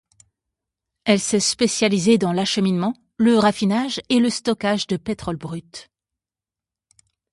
Elle s'est spécialisée dans l'acheminement, le raffinage et le stockage de pétrole brut.